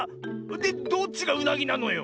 でどっちがうなぎなのよ？